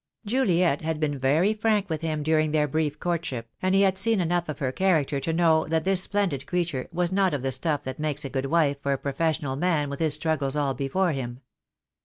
Juliet had been very frank with him during their brief courtship, and he had seen enough of her character to know that this splendid creature was not of the stuff that makes a good wife for a professional man with his struggles all before him.